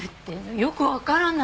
よくわからない。